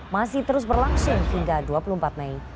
masih terus berlangsung hingga dua puluh empat mei